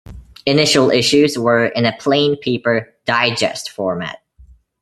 Initial issues were in a plain-paper digest format.